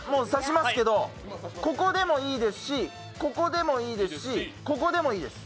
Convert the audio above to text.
ここでもいいですしここでもいいですしここでもいいです。